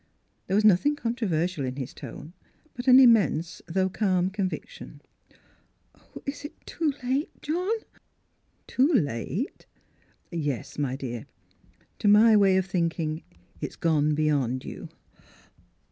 There was nothing controversial in his tone, but an immense though calm convic tion. "Is it too late, John?" " Too late ? Yes, my dear ; to my way of thinking it's gone beyond you."